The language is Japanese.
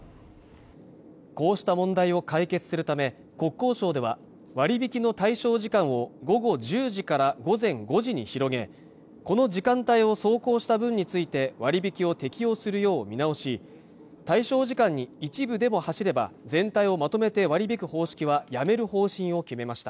こうした問題を解決するため国交省では割引の対象時間を午後１０時から午前５時に広げこの時間帯を走行した分について割引を適用するよう見直し対象時間に一部でも走れば全体をまとめて割り引く方式はやめる方針を決めました